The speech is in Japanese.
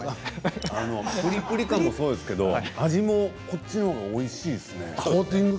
プリプリ感もそうですけど味もこっちのほうがおいしいですね。